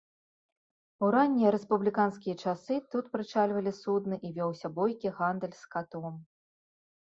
У раннія рэспубліканскія часы тут прычальвалі судны і вёўся бойкі гандаль скатом.